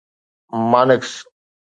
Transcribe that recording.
مانڪس